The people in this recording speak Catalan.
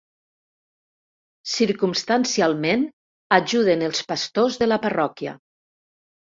Circumstancialment ajuden els pastors de la parròquia.